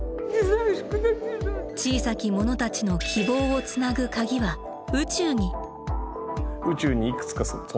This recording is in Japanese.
小さき者たちの希望をつなぐカギは「宇宙」に！